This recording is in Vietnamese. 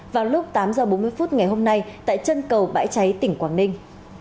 vào lúc tám h bốn mươi phút ngày hôm nay tại chân cầu bãi cháy tỉnh quảng ninh